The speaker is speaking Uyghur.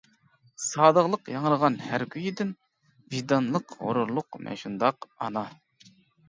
سادىقلىق ياڭرىغان ھەر كۈيىدىن، ۋىجدانلىق غۇرۇرلۇق مەن شۇنداق ئانا.